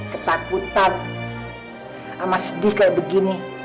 ketakutan sama sedih kayak begini